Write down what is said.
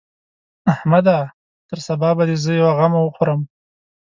احمده! تر سبا به دې زه يوه غمه وخورم.